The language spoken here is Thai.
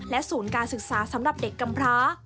ศูนย์การศึกษาสำหรับเด็กกำพร้า